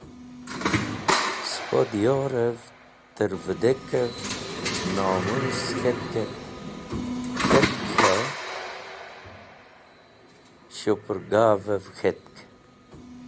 Sẽpo diyorẽv tẽr vẽdekẽv nomũs k̃hetkẽt k̃hẽ shupẽrgvẽv k̃het.